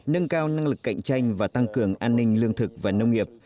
nâng cao năng lực cạnh tranh và tăng cường an ninh lương thực và nông nghiệp